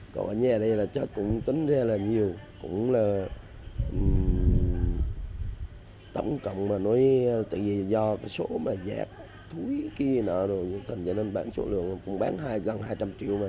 cũng là tổng cộng mà nói tại vì do số mà dẹp thúi kia nọ rồi thành ra nên bán số lượng cũng bán gần hai trăm linh triệu